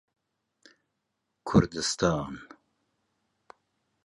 کوردستان